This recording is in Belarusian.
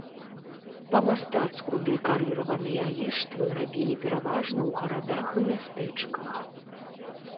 Па-мастацку дэкарыраваныя ліштвы рабілі пераважна ў гарадах і мястэчках.